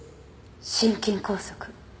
心筋梗塞。